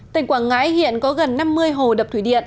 tỉnh quảng ngãi hiện có gần năm mươi hồ đập thủy điện